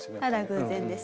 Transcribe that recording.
偶然です。